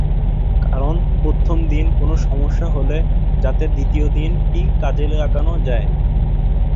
কারণ, প্রথম দিন কোনো সমস্যা হলে যাতে দ্বিতীয় দিনটি কাজে লাগানো যায়।